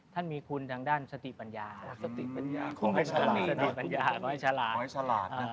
ท่านมีคุณทางด้านสติปัญญาขอให้ฉลาด